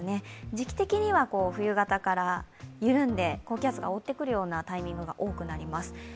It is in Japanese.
時期的には冬型から緩んで高気圧が覆ってくるようなタイミングが多くなります。